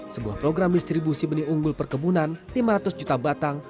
sebuah program distribusi benih unggul perkebunan lima ratus juta batang